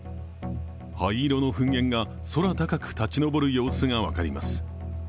灰色の噴煙が空高く立ち上る様子が分かります。